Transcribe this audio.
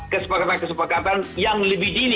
kesepakatan kesepakatan yang lebih dini